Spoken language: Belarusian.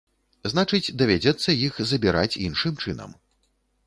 Значыць, давядзецца іх забіраць іншым чынам.